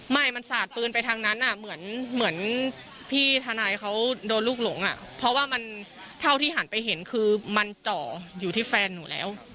ไม่มันสาดปืนไปทางนั้นอ่ะเหมือนพี่ทนายเขาโดนลูกหลงอ่ะเพราะว่ามันเท่าที่หันไปเห็นคือมันเจาะอยู่ที่แฟนหนูแล้ว